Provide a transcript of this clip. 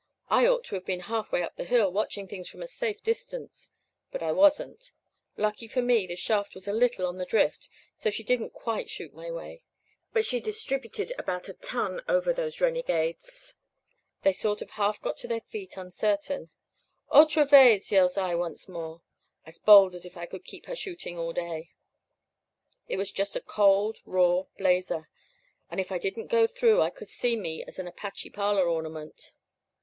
I ought to have been halfway up the hill watching things from a safe distance, but I wasn't. Lucky for me the shaft was a little on the drift, so she didn't quite shoot my way. But she distributed about a ton over those renegades. They sort of half got to their feet uncertain. "'Otra vez!' yells I once more, as bold as if I could keep her shooting all day. "It was just a cold, raw blazer; and if it didn't go through I could see me as an Apache parlor ornament.